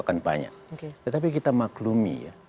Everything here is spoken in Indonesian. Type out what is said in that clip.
akan banyak oke tetapi kita maklumi